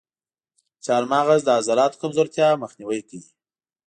چارمغز د عضلاتو کمزورتیا مخنیوی کوي.